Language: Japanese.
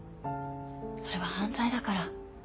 それは犯罪だから。